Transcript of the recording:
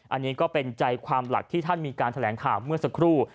อันนี้ก็เป็นใจความหลักที่ท่านมีการแถลงข่าวเมื่อสักครู่